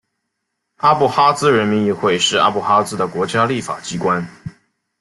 阿布哈兹人民议会是阿布哈兹的国家立法机关。